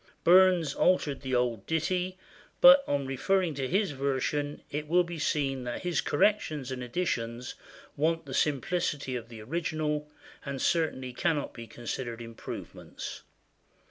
Burns altered the old ditty, but on referring to his version it will be seen that his corrections and additions want the simplicity of the original, and certainly cannot be considered improvements.